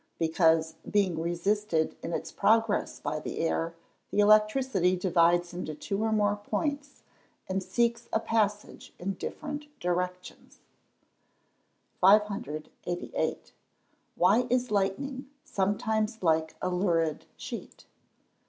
_ Because, being resisted in its progress by the air, the electricity divides into two or more points, and seeks a passage in different directions. 588. _Why is lightning sometimes like a lurid sheet?